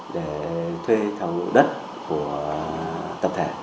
để thuê thảo ngụ đất của tập thể